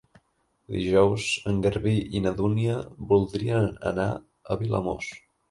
Dijous en Garbí i na Dúnia voldrien anar a Vilamòs.